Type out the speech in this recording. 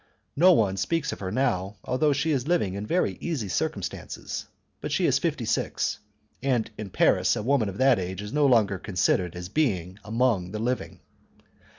No one speaks of her now, although she is living in very easy circumstances; but she is fifty six, and in Paris a woman of that age is no longer considered as being among the living.